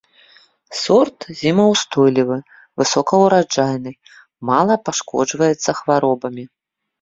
Сорт зімаўстойлівы, высокаўраджайны, мала пашкоджваецца хваробамі.